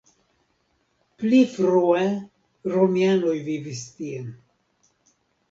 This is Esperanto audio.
Pli frue romianoj vivis tie.